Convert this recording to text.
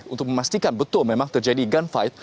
untuk memastikan betul memang terjadi gunfight